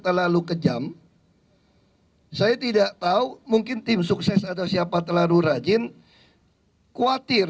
terlalu kejam saya tidak tahu mungkin tim sukses atau siapa terlalu rajin khawatir